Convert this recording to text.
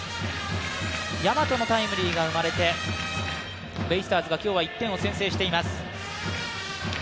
大和のタイムリーが生まれて、ベイスターズが今日は１点を先制しています。